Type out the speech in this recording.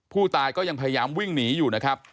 ผู้ตายก็ยังพยายามวิ่งหนีอยู่นะครับ